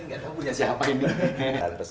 almarhum dikenal sebagai sosok yang baik dan ramah